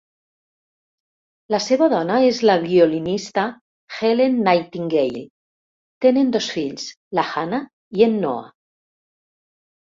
La seva dona és la violinista Helen Nightengale. Tenen dos fills, la Hanna i en Noah.